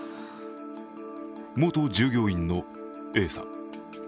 元従業員のＡさん。